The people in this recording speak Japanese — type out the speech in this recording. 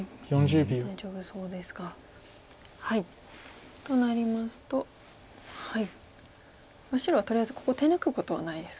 大丈夫そうですか。となりますと白はとりあえずここ手抜くことはないですよね。